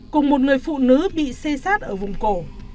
cùng một người phụ nữ bị xê xát ở vùng cổ